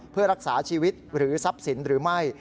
เพื่อรักษาชีวิตหรือทรัพย์สินหรือไม่